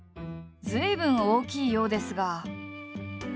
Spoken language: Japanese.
随分大きいようですが。